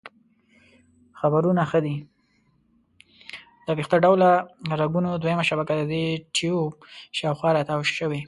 د ویښته ډوله رګونو دویمه شبکه د دې ټیوب شاوخوا را تاو شوي.